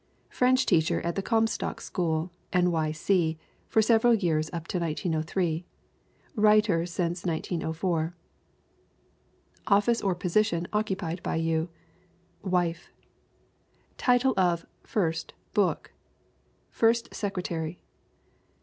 French teacher at the Comstock School, N. Y. C, for several years up to 1903. Writer since 1904. Office or position occupied by you: Wife. Title of (first) book: First Secretary.